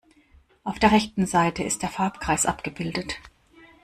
Auf der rechten Seite ist der Farbkreis abgebildet.